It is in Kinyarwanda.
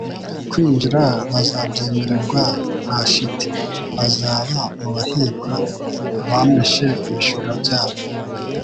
kwinjira bazabyemererwa nta shiti. Bazaba mu bahirwa bameshe ibishura byayo